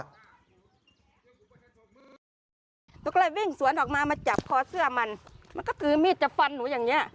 หนูก็เลยวิ่งสวนออกมามาจับคอเสื้อมันมันก็ถือมีดจะฟันหนูอย่างเงี้